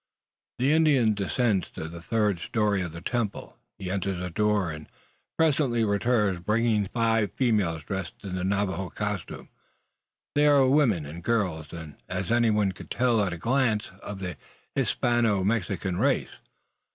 The Indian descends to the third story of the temple. He enters a door, and presently returns, bringing with him five females dressed in the Navajo costume. They are women and girls, and, as anyone could tell at a glance, of the Hispano Mexican race.